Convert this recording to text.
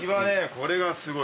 これがすごい。